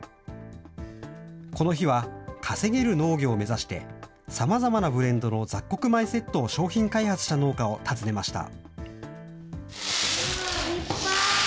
この日は、稼げる農業を目指して、さまざまなブレンドの雑穀米セットを商品開発した農家を訪ねました。